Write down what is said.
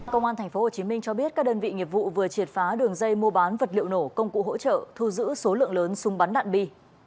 công an tp hcm cho biết các đơn vị nghiệp vụ vừa triệt phá đường dây mua bán vật liệu nổ công cụ hỗ trợ thu giữ số lượng lớn súng bắn đạn bi